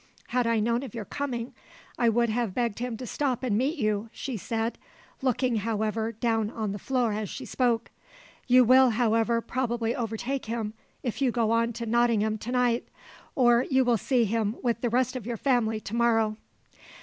"Had I known of your coming, I would have begged him to stop and meet you," she said, looking, however, down on the floor as she spoke. "You will, however, probably overtake him if you go on to Nottingham to night, or you will see him with the rest of your family to morrow."